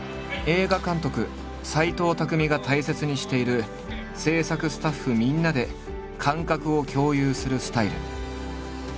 映画監督・斎藤工が大切にしている制作スタッフみんなで感覚を共有するスタイル。